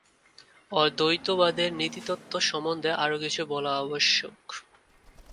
অদ্বৈতবাদের নীতিতত্ত্ব সম্বন্ধে আরও কিছু বলা আবশ্যক।